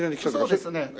そうですね。